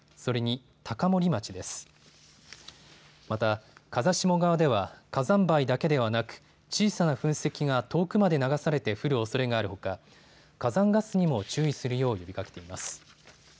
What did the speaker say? また、風下側では火山灰だけではなく小さな噴石が遠くまで流されて降るおそれがあるほか火山ガスにも注意するよう呼びかけています。